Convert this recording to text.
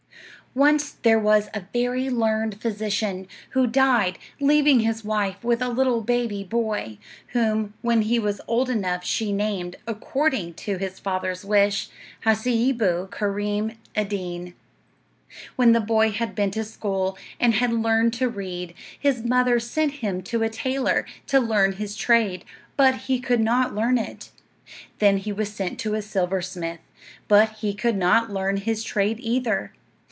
Once there was a very learned physician, who died leaving his wife with a little baby boy, whom, when he was old enough, she named, according to his father's wish, Hassee'boo Kareem' Ed Deen'. When the boy had been to school, and had learned to read, his mother sent him to a tailor, to learn his trade, but he could not learn it. Then he was sent to a silversmith, but he could not learn his trade either.